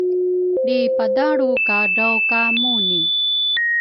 lripadalru kadraw ka Muni.